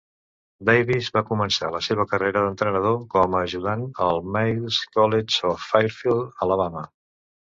Davis va començar la seva carrera d'entrenador com a ajudant al Miles College de Fairfield (Alabama).